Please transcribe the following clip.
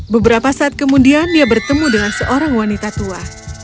beberapa saat kemudian dia bertemu dengan seorang wanita tua